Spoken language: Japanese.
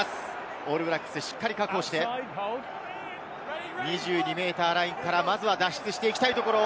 オールブラックス、しっかり確保して、２２ｍラインから、まずは脱出していきたいところ。